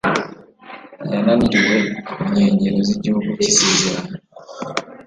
Yananiriwe ku nkengero z'igihugu cy'isezerano